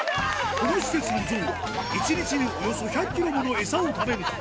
この施設のゾウは、１日におよそ１００キロの餌を食べるため。